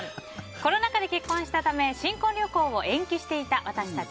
コロナ禍で結婚したため新婚旅行を延期していた私たち。